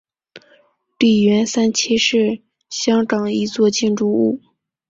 利园三期是香港一座建筑物。